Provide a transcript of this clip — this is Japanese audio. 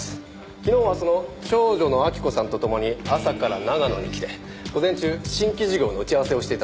昨日はその長女の明子さんと共に朝から長野に来て午前中新規事業の打ち合わせをしていたそうです。